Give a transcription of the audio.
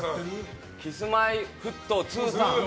Ｋｉｓ‐Ｍｙ‐Ｆｔ２さん。